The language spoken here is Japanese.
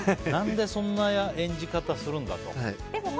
なんでそんな演じ方するんだと。